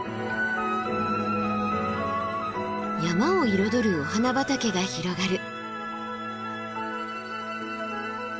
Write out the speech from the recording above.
山を彩るお花畑が広がる。